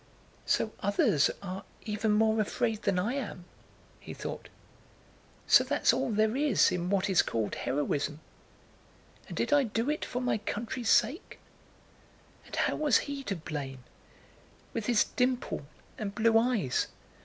"So others are even more afraid than I am!" he thought. "So that's all there is in what is called heroism! And did I do it for my country's sake? And how was he to blame, with his dimple and blue eyes?